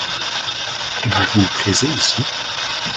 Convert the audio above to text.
Vous vous plaisez ici ?